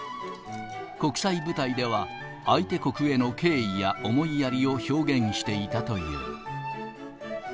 国際舞台では、相手国への敬意や思いやりを表現していたという。